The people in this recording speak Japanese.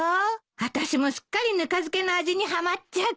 あたしもすっかりぬか漬けの味にはまっちゃって。